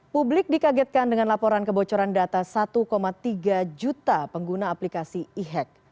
publik dikagetkan dengan laporan kebocoran data satu tiga juta pengguna aplikasi e hack